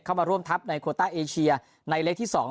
เข้ามาร่วมทัพในโคต้าเอเชียในเล็กที่๒